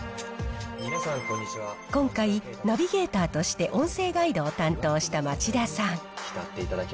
今回、ナビゲーターとして音声ガイドを担当した町田さん。